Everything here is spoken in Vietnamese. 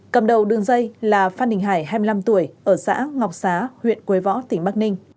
cầm đầu đường dây là phan đình hải hai mươi năm tuổi ở xã ngọc xá huyện quế võ tỉnh bắc ninh